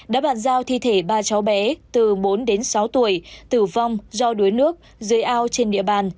đã bàn giao thi thể ba cháu bé từ bốn đến sáu tuổi tử vong do đuối nước dưới ao trên địa bàn